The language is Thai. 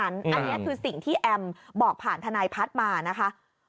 อันนี้คือสิ่งที่แอมบอกผ่านทนายพัฒน์มานะคะ